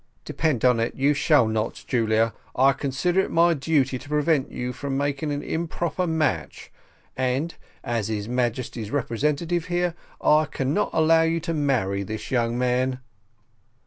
"Depend upon it, you shall not, Julia. I consider it my duty to prevent you from making an improper match; and, as his Majesty's representative here, I cannot allow you to marry this young man."